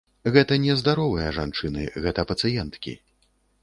Гэта не здаровыя жанчыны, гэта пацыенткі.